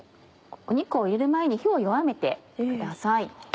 肉を入れる前に火を弱めてください。